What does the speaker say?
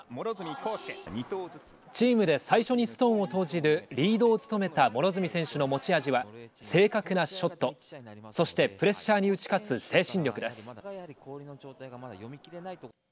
チームで最初にストーンを投じるリードを務めた両角選手の持ち味は正確なショットそしてプレッシャーに打ち勝つ精神力です。